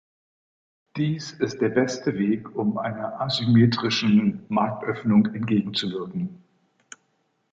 Dies ist der beste Weg, um einer asymmetrischen Marktöffnung entgegenzuwirken.